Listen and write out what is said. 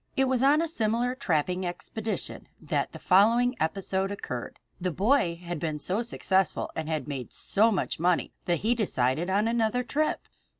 It was on a similar trapping expedition that the following episode occurred. The boy had been so successful and had made so much money that he decided on another trip.